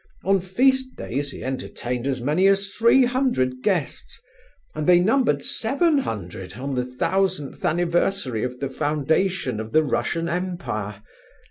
On feast days he entertained as many as three hundred guests, and they numbered seven hundred on the thousandth anniversary of the foundation of the Russian Empire.